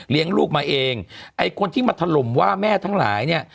ลูกมาเองไอ้คนที่มาถล่มว่าแม่ทั้งหลายเนี่ย